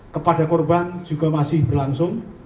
kepada korban juga masih berlangsung